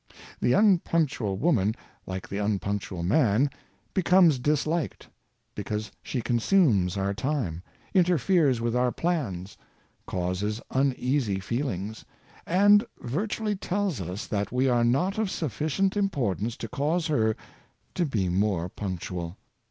The unpunctual woman, like the unpunctual man, becomes disliked, because she consumes our time, interferes with our plans, causes uneasy feelings, and virtually tells us that we are not of sufficient importance to cause her to be more punctual.